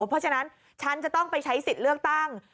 เพราะฉะนั้นฉันจะต้องไปใช้สิทธิ์เลือกตั้ง